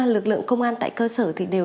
lực lượng công an tại cơ sở thì đều